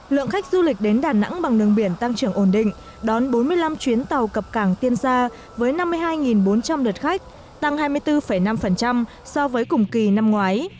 lượng khách du lịch đến đà nẵng bằng đường biển tăng trưởng ổn định đón bốn mươi năm chuyến tàu cập cảng tiên sa với năm mươi hai bốn trăm linh lượt khách tăng hai mươi bốn năm so với cùng kỳ năm ngoái